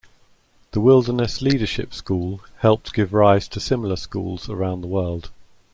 The Wilderness Leadership School helped give rise to similar schools around the world.